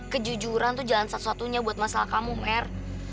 kejujuran tuh jalan satu satunya buat masalah kamu mer